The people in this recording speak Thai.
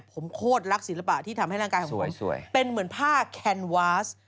ผมโคตรรักศิลปะที่ทำให้ร่างกายของผมเป็นเหมือนผ้าแคนวาส